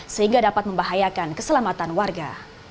sehingga dapat membahayakan keselamatan warga